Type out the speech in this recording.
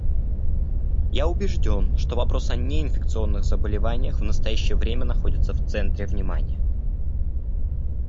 Я убежден, что вопрос о неинфекционных заболеваниях в настоящее время находится в центре внимания.